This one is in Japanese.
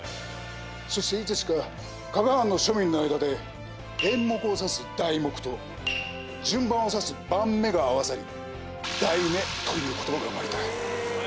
そしていつしか加賀藩の庶民の間で演目を指す題目と順番を指す番目が合わさり題目という言葉が生まれた。